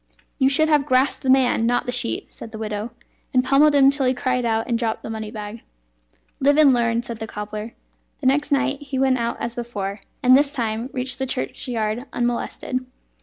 "You should have grasped the man, not the sheet," said the widow, "and pummelled him till he cried out and dropped the money bag." "Live and learn," said the cobbler. The next night he went out as before, and this time reached the churchyard unmolested.